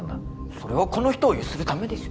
それはこの人をゆするためでしょ。